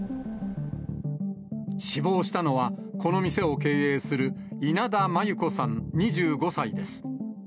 死亡したのは、この店を経営する稲田真優子さん２５歳です。